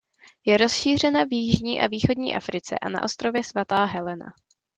Je rozšířena v jižní a východní Africe a na ostrově Svatá Helena.